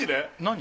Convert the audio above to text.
何？